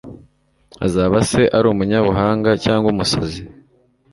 azaba se ari umunyabuhanga cyangwa umusazi